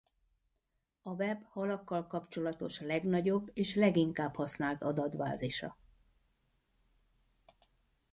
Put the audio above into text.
A Web halakkal kapcsolatos legnagyobb és leginkább használt adatbázisa.